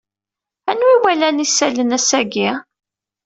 Anwa iwalan isallan ass-agi?